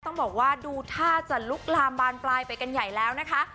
ต้องบอกว่าดูท่าจะลุกลามบานปลายไปกันใหญ่แล้วนะคะ